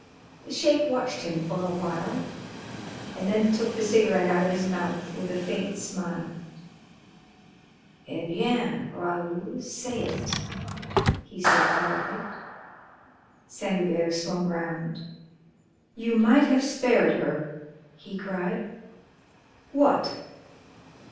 The Sheik watched him for a while, and then took the cigarette out of his mouth with a faint smile. "Eh, bien! Raoul, say it," he said quietly. Saint Hubert swung round. "You might have spared her," he cried. "What?"